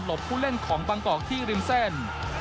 ผู้เล่นของบางกอกที่ริมเส้น